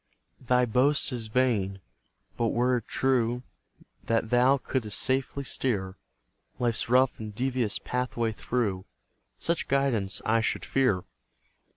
Thy boast is vain; but were it true That thou couldst safely steer Life's rough and devious pathway through, Such guidance I should fear.